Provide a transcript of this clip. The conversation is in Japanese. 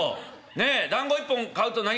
ねえだんご１本買うと何か？